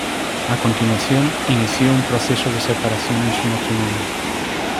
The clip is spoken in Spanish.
A continuación, inició un proceso de separación en su matrimonio.